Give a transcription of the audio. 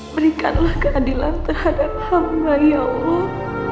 berikanlah keadilan terhadap hamba ya allah